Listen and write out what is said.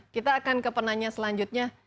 kita akan ke penanya selanjutnya